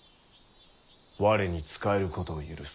我に仕えることを許す。